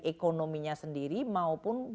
ekonominya sendiri maupun